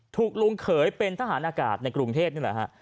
ถูกลุงเขยเป็นทหารอากาศในกรุงเทพนี่แหละฮะ